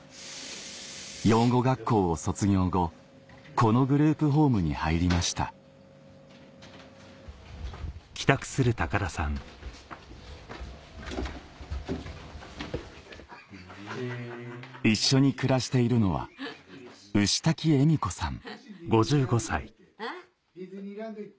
養護学校を卒業後このグループホームに入りました一緒に暮らしているのは牛滝恵美子さん